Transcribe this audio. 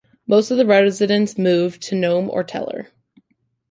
Most of the residents moved to Nome or Teller.